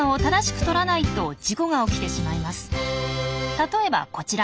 例えばこちら。